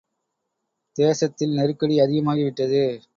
தேசத்தில் நெருக்கடி அதிகமாகிவிட்டது.